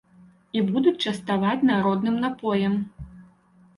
І будуць частаваць народным напоем.